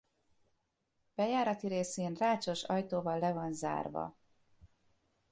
Bejárati részén rácsos ajtóval le van zárva.